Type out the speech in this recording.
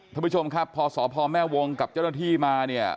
ท่านผู้ชมครับพอสพแม่วงกับเจ้าหน้าที่มาเนี่ย